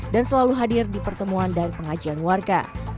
dan selalu hadir di pertemuan dan pengajian warga